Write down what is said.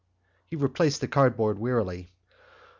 He replaced the cardboard wearily.